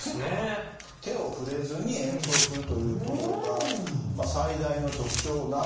手を触れずに演奏するというところが最大の特徴なんですが。